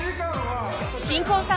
新婚さん